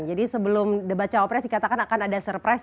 jadi sebelum debat cawafres dikatakan akan ada surprise